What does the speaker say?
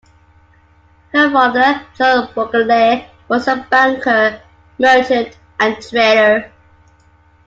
Her father, John Bulkeley, was a banker, merchant and trader.